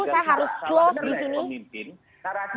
saya harus close di sini